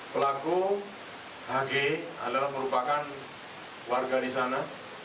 pelaku hg adalah merupakan warga di sana